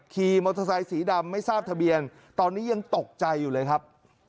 ขี่มอเตอร์ไซค์สีดำไม่ทราบทะเบียนตอนนี้ยังตกใจอยู่เลยครับ